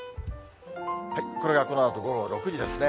これがこのあと午後６時ですね。